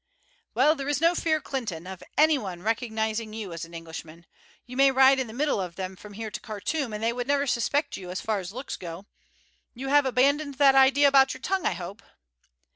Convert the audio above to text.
"Well, there is no fear, Clinton, of anyone recognizing you as an Englishman. You may ride in the middle of them from here to Khartoum, and they would never suspect you as far as looks go. You have abandoned that idea about your tongue, I hope?"